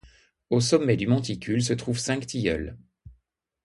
Au sommet du monticule se trouvent cinq tilleuls.